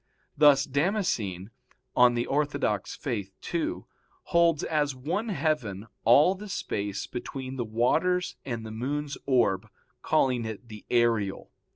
Thus Damascene (De Fide Orth. ii) holds as one heaven all the space between the waters and the moon's orb, calling it the aerial.